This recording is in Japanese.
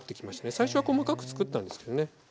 最初は細かくつくったんですけどね。